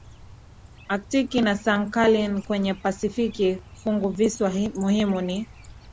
Aktiki na Sakhalin kwenye Pasifiki Funguvisiwa muhimu ni